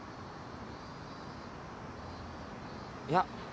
いや。